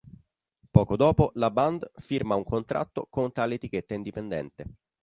Poco dopo, la band firma un contratto con tale etichetta indipendente.